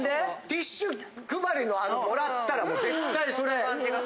ティッシュ配りのあの貰ったらもう絶対それ。